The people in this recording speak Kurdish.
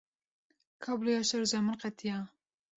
Kabloya şerja min qetiya.